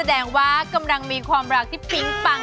ทุกปัญหา